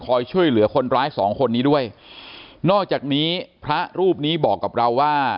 ช่วยเหลือคนร้ายสองคนนี้ด้วยนอกจากนี้พระรูปนี้บอกกับเราว่า